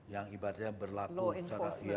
yang ibaratnya berlaku secara